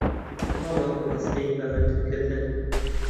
تاڵە ئەو هەستی بە مردن کردن